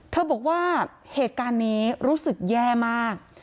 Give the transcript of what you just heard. บอกว่าเหตุการณ์นี้รู้สึกแย่มาก